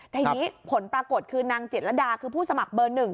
ทีนี้ผลปรากฏคือนางจิตรดาคือผู้สมัครเบอร์๑